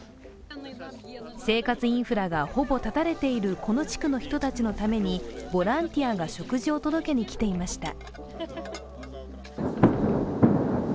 生活インフラがほぼ断たれているこの地区の人たちのためにボランティアが食事を届けに来ていました。